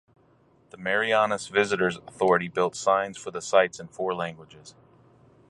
The Marianas Visitors Authority built signs for the sites in four languages.